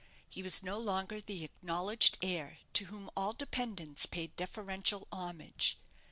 He was no longer the acknowledged heir to whom all dependents paid deferential homage.